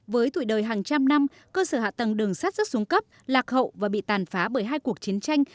với tuổi đời hàng trăm năm cơ sở hạ tầng đường sắt rất xuống cấp lạc hậu và bị tàn phá bởi hai cuộc chiến tranh